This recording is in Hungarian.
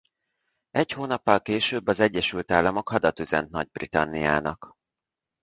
Egy hónappal később az Egyesült Államok hadat üzent Nagy-Britanniának.